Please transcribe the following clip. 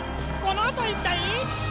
このあといったい。